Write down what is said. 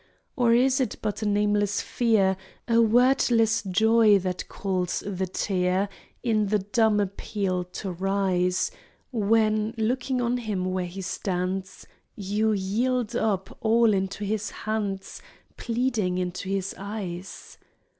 Or is it but a nameless fear, A wordless joy, that calls the tear In dumb appeal to rise, When, looking on him where he stands, You yield up all into his hands, Pleading into his eyes?